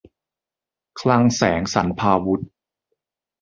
คลังแสงสรรพาวุธ